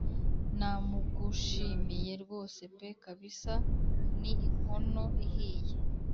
namugushimiye rwose pe kabisa ni inkono ihiye